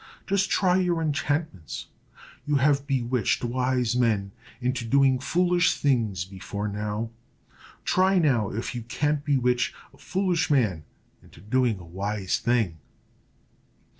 Just try your enchantments; you have bewitched wise men into doing foolish things before now; try, now, if you can't bewitch a foolish man into doing a wise thing."